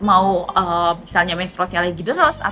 mau misalnya menstruasinya lagi deros